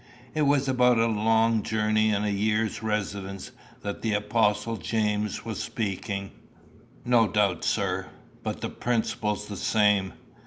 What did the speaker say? It was about a long journey and a year's residence that the Apostle James was speaking." "No doubt, sir. But the principle's the same.